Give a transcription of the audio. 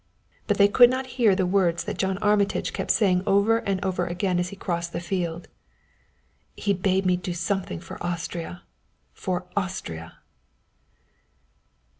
But they could not hear the words that John Armitage kept saying over and over again as he crossed the field: "He bade me do something for Austria for Austria!"